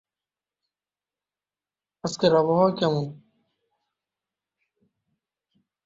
চলচ্চিত্র সেরা বাংলা পূর্ণদৈর্ঘ্য চলচ্চিত্র হিসেবে জাতীয় চলচ্চিত্র পুরস্কার জিতেছিল।